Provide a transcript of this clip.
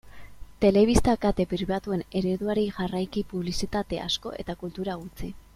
Telebista kate pribatuen ereduari jarraiki publizitate asko eta kultura gutxi.